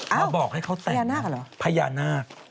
มาบอกให้เขาแต่งเพญาหน้า